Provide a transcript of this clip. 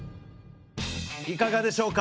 いかがでしょうか？